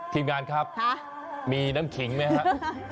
ทีมงานครับมีน้ำขิงไหมครับ